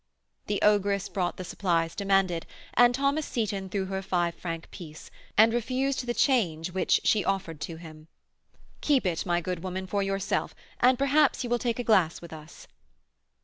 The ogress brought the supplies demanded, and Thomas Seyton threw her a five franc piece, and refused the change which she offered to him. "Keep it, my good woman, for yourself, and perhaps you will take a glass with us."